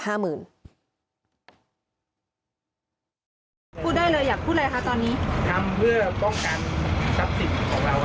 ผมว่ามีรภาพเนียลกน้องปัดหน้ารถไม่เคยครับ